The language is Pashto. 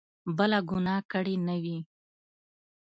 بله ګناه کړې نه وي.